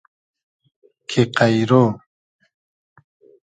کی قݷرۉ